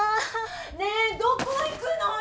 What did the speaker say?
ねえどこ行くのよ！